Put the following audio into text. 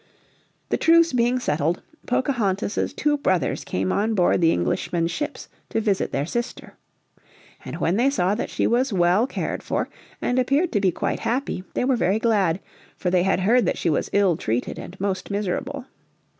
The truce being settled Pocahontas' two brothers came on board the Englishmen's ships to visit their sister. And when they saw that she was well cared for, and appeared to be quite happy they were very glad, for they had heard that she was ill treated and most miserable.